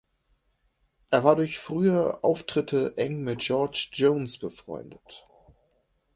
Er war durch frühe Auftritte eng mit George Jones befreundet.